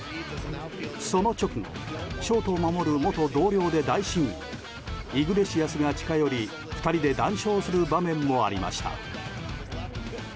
その直後、ショートを守る元同僚で大親友イグレシアスが近寄り２人で談笑する場面もありました。